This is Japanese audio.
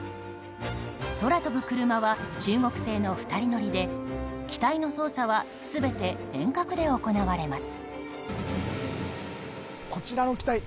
空飛ぶ車は中国製の２人乗りで機体の操作は全て遠隔で行われます。